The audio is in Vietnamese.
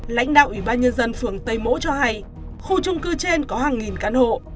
lãnh đạo ủy ban nhân dân phường tây mỗ cho hay khu trung cư trên có hàng nghìn căn hộ